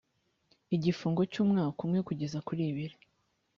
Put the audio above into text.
igifungo cyu mwaka umwe kugeza kuri ibiri